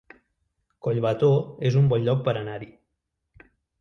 Collbató es un bon lloc per anar-hi